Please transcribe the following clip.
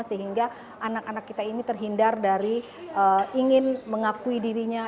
sehingga anak anak kita ini terhindar dari ingin mengakui dirinya